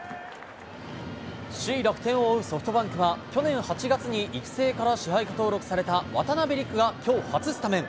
首位楽天を追うソフトバンクは、去年８月に育成から支配下登録された渡邉陸がきょう初スタメン。